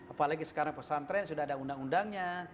apalagi sekarang pesantren sudah ada undang undangnya